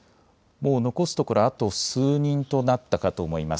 もう残すところあと数人となったかと思います。